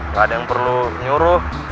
nggak ada yang perlu nyuruh